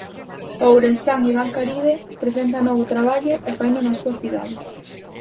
O ourensán Iván Caride presenta novo traballo e faino na súa cidade.